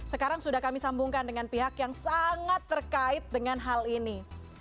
sekarang sudah kami sambungkan dengan pihak yang sangat terkait dengan hal ini